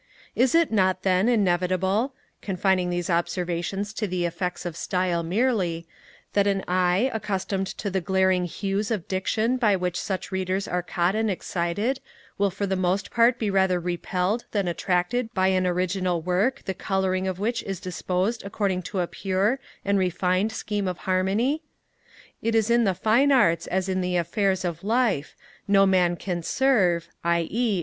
Is it not, then, inevitable (confining these observations to the effects of style merely) that an eye, accustomed to the glaring hues of diction by which such Readers are caught and excited, will for the most part be rather repelled than attracted by an original Work, the colouring of which is disposed according to a pure and refined scheme of harmony? It is in the fine arts as in the affairs of life, no man can serve (i.e.